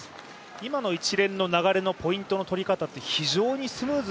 今の一連の流れのポイントの取り方って非常にスムーズ、